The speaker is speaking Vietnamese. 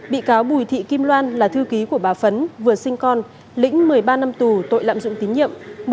bị cáo bùi thị kim loan là thư ký của bà phấn vừa sinh con lĩnh một mươi ba năm tù tội lạm dụng tín nhiệm